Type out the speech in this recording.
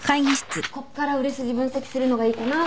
こっから売れ筋分析するのがいいかなと思って。